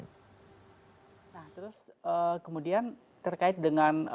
nah terus kemudian terkait dengan banyak hal